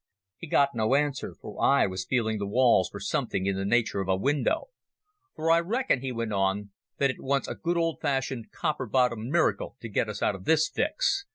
He got no answer, for I was feeling the walls for something in the nature of a window. "For I reckon," he went on, "that it wants a good old fashioned copper bottomed miracle to get us out of this fix.